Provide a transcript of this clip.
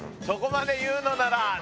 そこまで言うのなら。